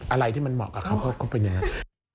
อะไรที่มันเหมาะกับเขาก็ต้องเป็นอย่างนั้น